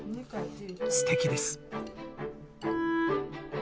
すてきです。